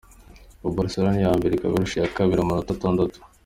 Ubu Barcelone ni iya mbere ikaba irusha iya kabiri amanota atandatu.